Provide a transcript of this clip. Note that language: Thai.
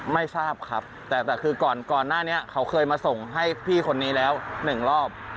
ไม่ทราบครับแต่คือก่อนหน้านี้เขาเคยมาส่งให้พี่คนนี้แล้วหนึ่งรอบ